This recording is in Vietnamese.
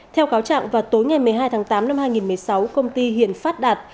theo cáo trạng vào tối ngày một mươi hai tháng tám năm hai nghìn một mươi sáu công ty hiền phát đạt